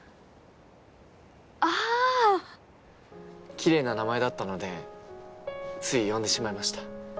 キレイな名前だったのでつい呼んでしまいました。